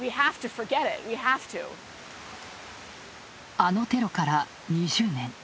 あのテロから２０年。